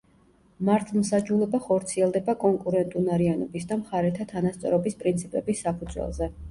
მართლმსაჯულება ხორციელდება კონკურენტუნარიანობის და მხარეთა თანასწორობის პრინციპების საფუძველზე.